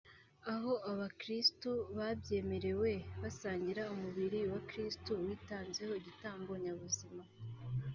aho abakirisitu babyemerewe basangira umubiri wa Kirisitu witanzeho igitambo nyabuzima